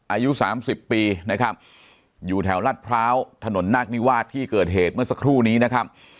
อายุสามสิบปีนะครับอยู่แถวรัฐพร้าวถนนนาคนิวาสที่เกิดเหตุเมื่อสักครู่นี้นะครับ